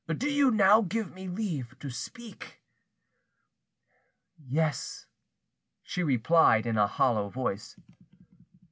Do you now give me leave to speak?" "Yes," she replied in a hollow voice.